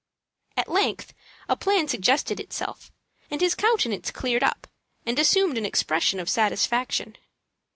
At length a plan suggested itself, and his countenance cleared up, and assumed an expression of satisfaction.